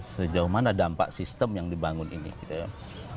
sejauh mana dampak sistem yang dibangun ini gitu ya